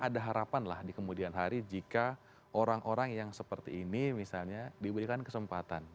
ada harapan lah di kemudian hari jika orang orang yang seperti ini misalnya diberikan kesempatan